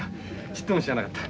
ちっとも知らなかった。